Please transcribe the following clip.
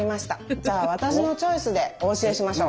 じゃあ私のチョイスでお教えしましょう。